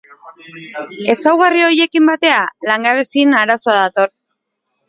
Ezaugarri horiekin batera langabeziaren arazoa dator.